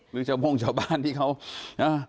หรือเจ้าโมงเจ้าบ้านที่เขาน่ะ